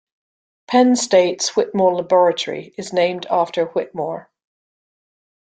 Penn State's Whitmore Laboratory is named after Whitmore.